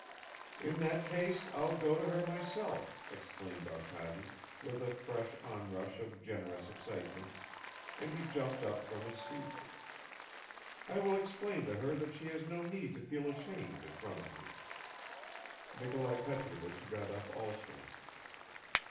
"In that case I'll go to her myself!" exclaimed Arkady, with a fresh onrush of generous excitement, and he jumped up from his seat. "I will explain to her that she has no need to feel ashamed in front of me." Nikolai Petrovich got up also.